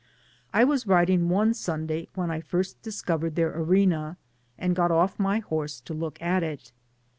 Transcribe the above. I iieas riding one Sunday when I first discovered thdur arena, and got oiF my horse to look at it.